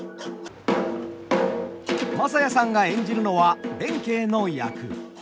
正弥さんが演じるのは弁慶の役。